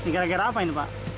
gara gara apa ini pak